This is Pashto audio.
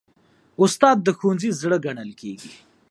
استاد د ښوونځي زړه ګڼل کېږي.